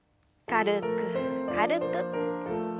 軽く軽く。